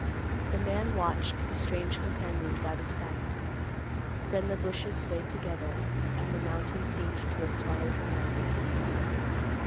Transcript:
The man watched the strange companions out of sight. Then the bushes swayed together, and the mountain seemed to have swallowed him up.